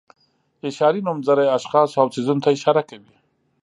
اشاري نومځري اشخاصو او څیزونو ته اشاره کوي.